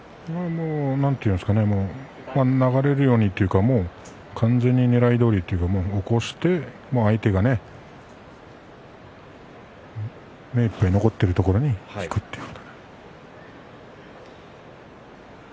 何といいますか流れるようにというか完全にねらいどおりというか起こして相手が目いっぱい残っているところに引くという。